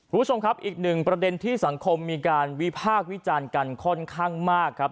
คุณผู้ชมครับอีกหนึ่งประเด็นที่สังคมมีการวิพากษ์วิจารณ์กันค่อนข้างมากครับ